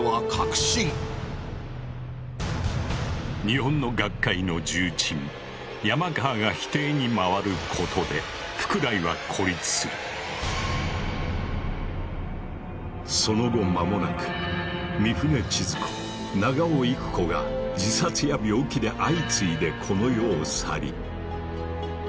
日本の学会の重鎮山川が否定に回ることでその後まもなく御船千鶴子長尾郁子が自殺や病気で相次いでこの世を去り。